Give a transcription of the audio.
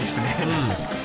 うん。